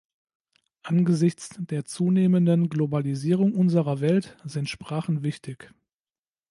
Angesichts der zunehmenden Globalisierung unserer Welt sind Sprachen wichtig.